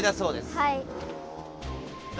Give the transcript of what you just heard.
はい。